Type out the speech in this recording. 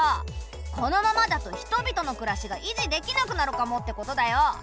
このままだと人々の暮らしが維持できなくなるかもってことだよ。